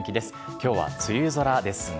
きょうは梅雨空ですね。